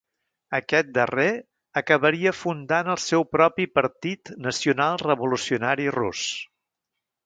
Aquest darrer acabaria fundant el seu propi 'Partit Nacional Revolucionari Rus'.